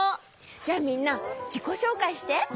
じゃあみんなじこしょうかいして。